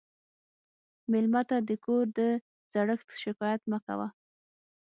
مېلمه ته د کور د زړښت شکایت مه کوه.